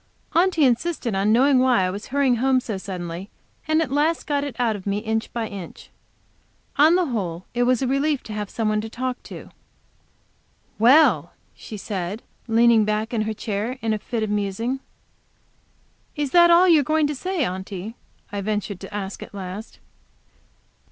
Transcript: Aunty insisted on knowing why I was hurrying home so suddenly, and at last got it out of me inch by inch. On the whole it was a relief to have some one to speak to. "Well!" she said, and leaned back in her chair in a fit of musing. "Is that all you are going to say, Aunty?" I ventured to ask at last.